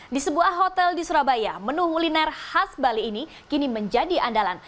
di sebuah hotel di surabaya menu kuliner khas bali ini kini menjadi andalan